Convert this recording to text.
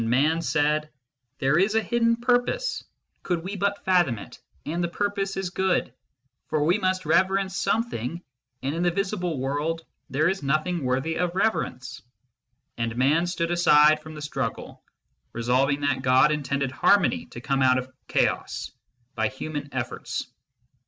46 A FREE MAN S WORSHIP 47 Man said : There is a hidden purpose, could we but fathom it, and the purpose is good ; for we must rever ence something, and in the visible world there is nothing worthy of reverence/ And Man stood aside from the struggle, resolving that God intended harmony to come out of chaos by human efforts.